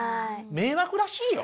迷惑らしいよ。